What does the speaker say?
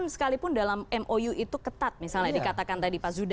sekalipun dalam mou itu ketat misalnya dikatakan tadi pak zud